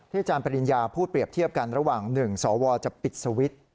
อาจารย์ปริญญาพูดเปรียบเทียบกันระหว่าง๑สวจะปิดสวิตช์